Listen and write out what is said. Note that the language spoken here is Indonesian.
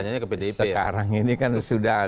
sekarang ini kan sudah